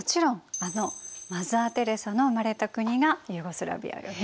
あのマザー・テレサの生まれた国がユーゴスラヴィアよね。